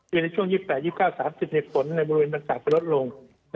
อยู่ในช่วง๒๘๒๙๓๐ฝนในบริเวณบรรจาคจะลดลง